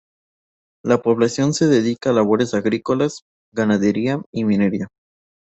La población se dedica a labores agrícolas, ganadera y minera.